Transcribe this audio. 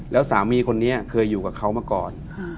แล้วสามีคนนี้เคยอยู่กับเขามาก่อน